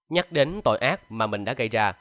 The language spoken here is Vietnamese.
nhắc đến tội ác mà mình đã gây ra